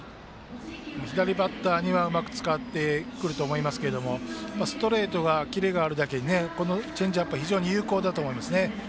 左バッターにはうまく使ってくると思いますがストレートがキレがあるだけにあのチェンジアップが非常に有効だと思います。